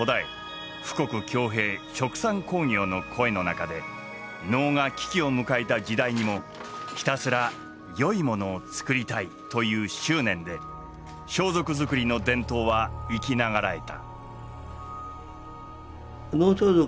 殖産興業の声の中で能が危機を迎えた時代にもひたすらよいものを作りたいという執念で装束作りの伝統は生き長らえた。